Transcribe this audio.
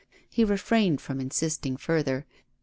He refrained from insisting further.